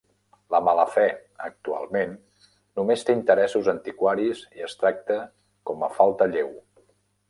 La mala fe actualment només té interessos antiquaris i es tracta com a falta lleu.